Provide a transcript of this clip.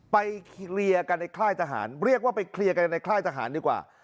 เคลียร์กันในค่ายทหารเรียกว่าไปเคลียร์กันในค่ายทหารดีกว่า